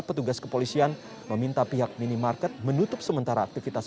petugas kepolisian meminta pihak minimarket menutup sementara aktivitas